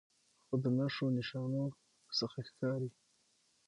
خو د نښو نښانو څخه ښکارې